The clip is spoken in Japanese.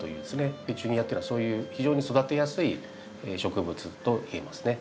ペチュニアっていうのはそういう非常に育てやすい植物といえますね。